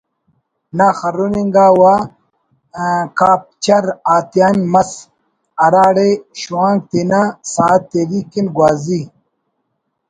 نا خرن انگا و کاپچر آتیان مس ہرا ڑے شوانک تینا ساہت تیری کن گوازی